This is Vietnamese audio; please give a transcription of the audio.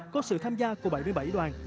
có sự tham gia của bảy mươi bảy đoàn